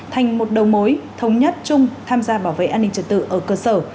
thành một đầu mối thống nhất chung tham gia bảo vệ an ninh trật tự ở cơ sở